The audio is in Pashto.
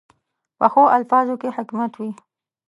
پخو الفاظو کې حکمت وي